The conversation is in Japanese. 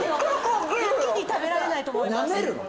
一気に食べられないと思いますなめるの？